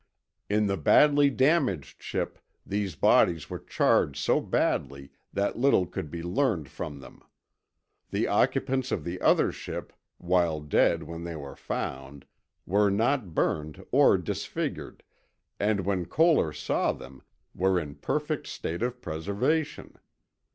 In the badly damaged ship, these bodies were charred so badly that little could be learned from them. The occupants of the other ship, while dead when they were found, were not burned or disfigured, and, when Koehler saw them, were in a perfect state of preservation.